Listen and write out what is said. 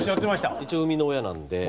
一応生みの親なんで。